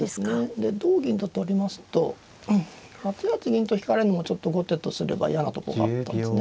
で同銀と取りますと８八銀と引かれるのもちょっと後手とすれば嫌なとこがあったんですね